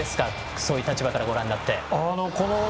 そういう立場からご覧になって。